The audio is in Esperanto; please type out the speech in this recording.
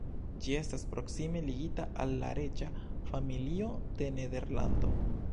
Ĝi estas proksime ligita al la reĝa familio de Nederlando.